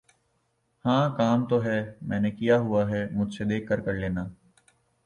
ہاں کام تو ہے۔۔۔ میں نے کیا ہوا ہے مجھ سے دیکھ کے کر لینا۔